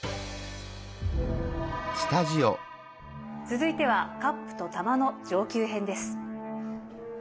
続いてはカップと玉の上級編です。